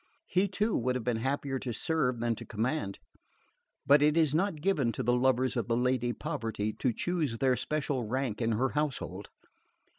He too would have been happier to serve than to command! But it is not given to the lovers of the Lady Poverty to choose their special rank in her household.